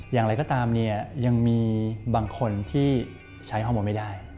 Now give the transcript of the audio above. อย่างไรก็ตามเนี่ยยังมีบางคนที่ใช้ฮอร์โมนไม่ได้